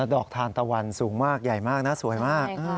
ดอกทานตะวันสูงมากใหญ่มากนะสวยมาก